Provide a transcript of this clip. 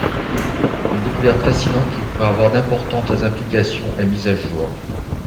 Une découverte fascinante qui pourrait avoir d'importantes implications est mise à jour.